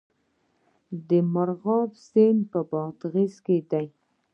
د مرغاب سیند په بادغیس کې دی